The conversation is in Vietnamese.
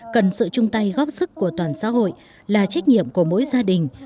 cần sự chung tay góp sức của toàn xã hội là trách nhiệm của mỗi gia đình